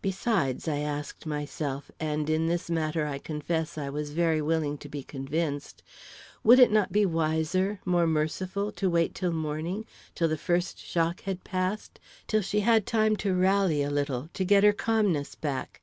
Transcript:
Besides, I asked myself and in this matter, I confess, I was very willing to be convinced would it not be wiser, more merciful, to wait till morning, till the first shock was past, till she had time to rally a little, to get her calmness back?